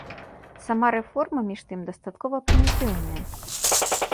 Сама рэформа, між тым, дастаткова прымітыўная.